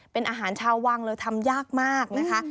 เป็นอาหารชาววังเลยทำยากมากนะคะ